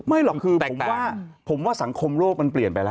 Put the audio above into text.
ไม่หรอกคือผมว่าสังคมโลกมันเปลี่ยนไปแล้ว